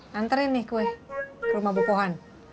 nganterin nih kue ke rumah bu pohan